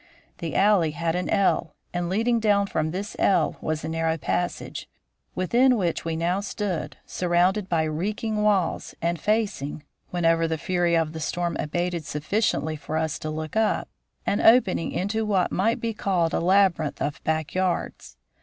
The alley had an L, and leading down from this L was a narrow passage, within which we now stood, surrounded by reeking walls and facing (whenever the fury of the storm abated sufficiently for us to look up) an opening into what might be called a labyrinth of back yards.